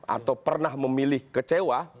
atau pernah memilih kecewa